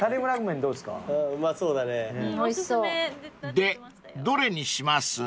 ［でどれにします？］